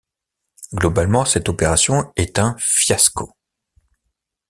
Globalement, cette opération est un fiasco.